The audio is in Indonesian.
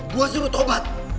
gue suruh tobat